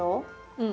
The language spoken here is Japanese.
うん。